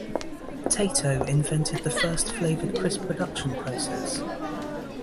Tayto invented the first flavoured crisp production process.